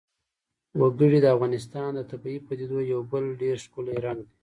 وګړي د افغانستان د طبیعي پدیدو یو بل ډېر ښکلی رنګ دی.